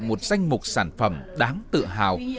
một danh mục sản phẩm đáng tự hào